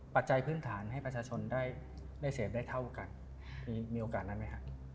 ปัจจัยพื้นฐานให้ประชาชนได้เสพได้เท่ากันมีโอกาสนั้นไหมครับ